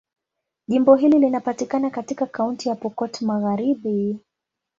Jimbo hili linapatikana katika Kaunti ya Pokot Magharibi.